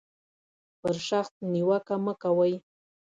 پر شخص نیوکه مه کوئ.